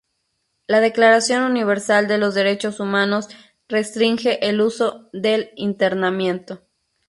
La Declaración Universal de los Derechos Humanos restringe el uso del internamiento.